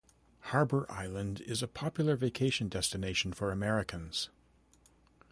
Harbour Island is a popular vacation destination for Americans.